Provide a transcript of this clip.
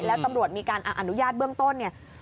แล้วตำรวจมีการอนุญาตเบื้องต้นเนี่ย